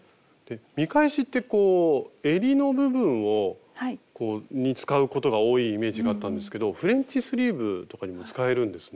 見返しってこうえりの部分に使うことが多いイメージがあったんですけどフレンチスリーブとかにも使えるんですね。